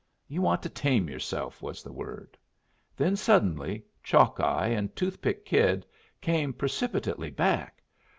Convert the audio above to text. "You want to tame yourself," was the word. Then, suddenly, Chalkeye and Toothpick Kid came precipitately back.